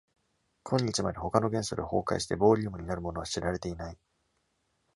今日まで、他の元素で崩壊してボーリウムになるものは知られていない。